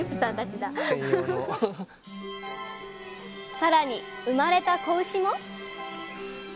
更に生まれた子牛も？